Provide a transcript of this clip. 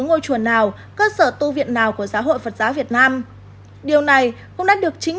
ngôi chùa nào cơ sở tu viện nào của giáo hội phật giáo việt nam điều này cũng đã được chính